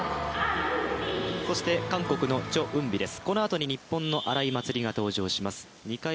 そして韓国のチョ・ウンビです。